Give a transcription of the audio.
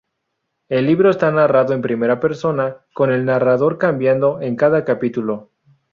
El libro está narrado en primera persona, con el narrador cambiando en cada capítulo.